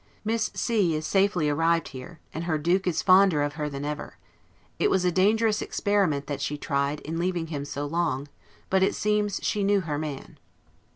Miss C is safely arrived here, and her Duke is fonder of her than ever. It was a dangerous experiment that she tried, in leaving him so long; but it seems she knew her man.